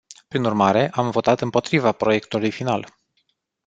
Prin urmare, am votat împotriva proiectului final.